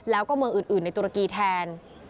แล้วก็เมืองอื่นในตุรกีแทน